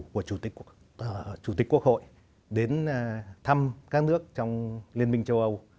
của chủ tịch quốc hội đến thăm các nước trong liên minh châu âu